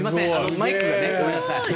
マイク、ごめんなさい。